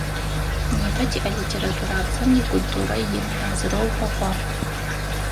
Непэ тиӏэ литературабзэм икультурэ ин хьазырэу хэхъуагъ.